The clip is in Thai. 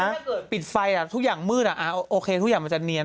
ถ้าปิดไฟทุกอย่างมืดโอเคทุกอย่างมันจะเนียน